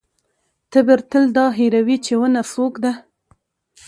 تبر تل دا هېروي چې ونه څوک ده.